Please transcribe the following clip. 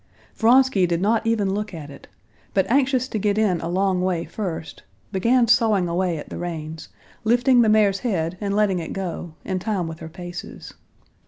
Vronsky did not even look at it, but anxious to get in a long way first began sawing away at the reins, lifting the mare's head and letting it go in time with her paces.